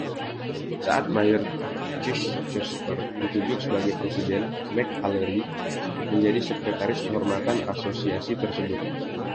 Saat Mayor Chichester ditunjuk sebagai presiden, McAlery menjadi sekretaris kehormatan asosiasi tersebut.